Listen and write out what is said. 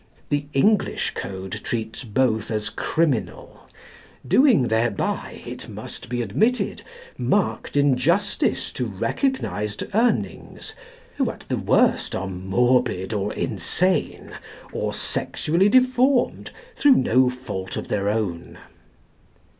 The English code treats both as criminal, doing thereby, it must be admitted, marked injustice to recognised Urnings, who at the worst are morbid or insane, or sexually deformed, through no fault of their own.